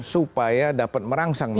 supaya dapat merangsang mereka